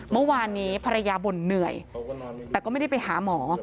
เมื่อวานนี้ภรรยาบ่นเหนื่อยแต่ก็ไม่ได้ไปหาหมอ